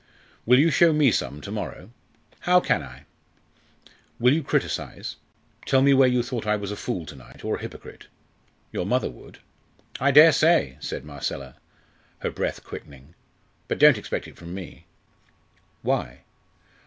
Will you show me some to morrow?" "How can I?" "Will you criticise? tell me where you thought I was a fool to night, or a hypocrite? Your mother would." "I dare say!" said Marcella, her breath quickening; "but don't expect it from me." "Why?"